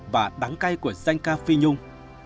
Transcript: và đắng cay của danh ca phi nhung